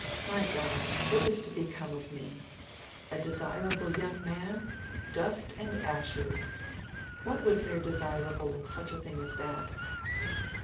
My God! What is to become of me?' A desirable young man? Dust and ashes! What was there desirable in such a thing as that?